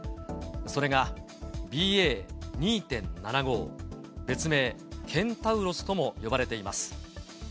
それがＢＡ．２．７５、別名、ケンタウロスとも呼ばれています。